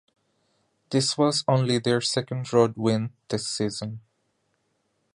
This was only their second road win this season.